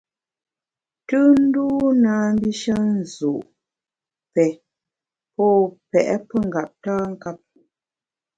Tùnndû na mbishe nzu’, pè, pô pèt pengeptankap.